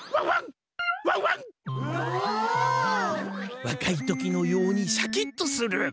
わかい時のようにシャキッとする。